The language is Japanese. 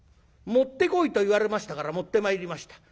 『持ってこいと言われましたから持ってまいりました。